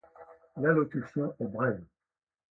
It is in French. L'allocution est brève.